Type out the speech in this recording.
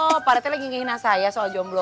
oh pak rete lagi menghina saya soal jomblo